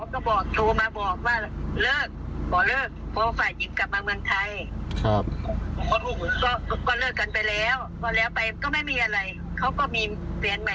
เพราะเลยมาแต่งงานกันครับแล้วเงินที่ว่าถูกล็อตเตอรี่อะไรน่ะ